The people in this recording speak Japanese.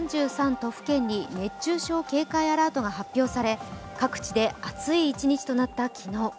都府県に熱中症警戒アラートが発表され各地で暑い一日となった昨日。